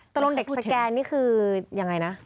ตรงเด็กสแกนนี่คือยังไงนะ